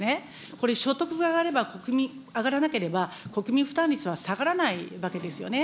これ、所得が上がれば、上がらなければ、国民負担率は下がらないわけですよね。